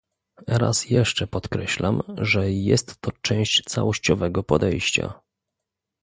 Raz jeszcze podkreślam, że jest to część całościowego podejścia